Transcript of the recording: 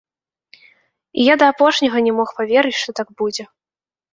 І я да апошняга не мог паверыць, што так будзе.